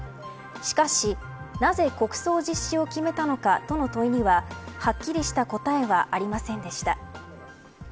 しかし、なぜ国葬実施を決めたのかとの問いにははっきりした答えはありませんでした。